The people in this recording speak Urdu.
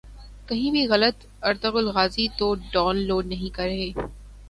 کہیں بھی غلط ارطغرل غازی تو ڈان لوڈ نہیں کر رہے